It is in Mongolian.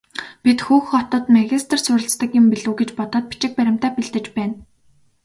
Би Хөх хотод магистрт суралцдаг юм билүү гэж бодоод бичиг баримтаа бэлдэж байна.